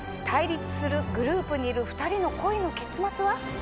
対立するグループにいる２人の恋の結末は？